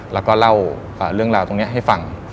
แล้วก็เล่าเรื่องราวตรงนี้ให้ฟัง